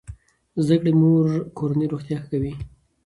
زده کړې مور کورنۍ روغتیا ښه کوي.